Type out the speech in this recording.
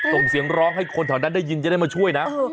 ส่งเสียงร้องให้คนแถวนั้นได้ยินจะได้มาช่วยนะ